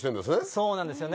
そうなんですよね。